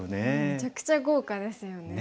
めちゃくちゃ豪華ですよね。